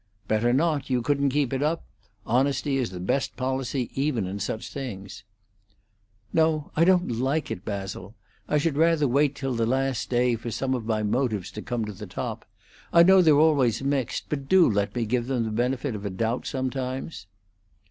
"Better not; you couldn't keep it up. Honesty is the best policy even in such things." "No; I don't like it, Basil. I should rather wait till the last day for some of my motives to come to the top. I know they're always mixed, but do let me give them the benefit of a doubt sometimes."